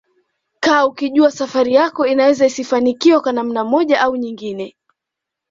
kaa ukijua safari yako inaweza isifanikiwe kwa namna moja au nyingine